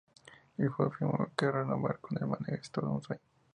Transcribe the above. El jugador afirmó que, "renovar con el Málaga es todo un sueño.